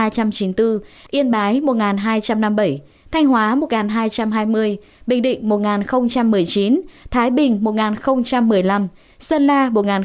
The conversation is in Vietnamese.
yên bái một hai trăm năm mươi bảy thanh hóa một hai trăm hai mươi bình định một một mươi chín thái bình một một mươi năm sơn la một bảy